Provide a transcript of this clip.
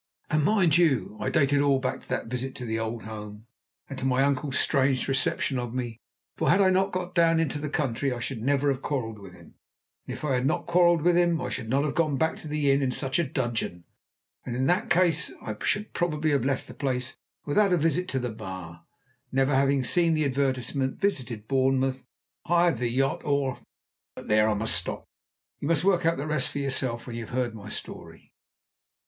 And, mind you, I date it all back to that visit to the old home, and to my uncle's strange reception of me, for had I not gone down into the country I should never have quarrelled with him, and if I had not quarrelled with him I should not have gone back to the inn in such a dudgeon, and in that case I should probably have left the place without a visit to the bar, never have seen the advertisement, visited Bournemouth, hired the yacht or but there, I must stop. You must work out the rest for yourself when you have heard my story.